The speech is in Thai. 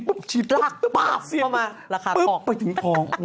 ปุ๊บชิดลากปุ๊บไปถึงทอง